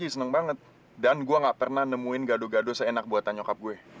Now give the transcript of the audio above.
sampai jumpa di video selanjutnya